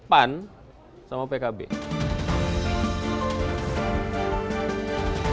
jokowi sudah menjalankan pemerintah di jokowi